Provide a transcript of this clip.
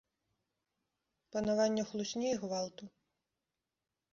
Панаванне хлусні і гвалту.